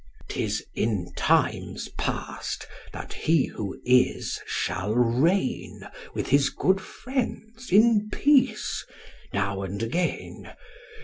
'Tis in times past, that he who is shall reign With his good friends in peace now and again.